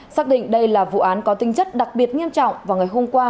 xác định đây là vụ án có tinh chất đặc biệt nghiêm trọng vào ngày hôm qua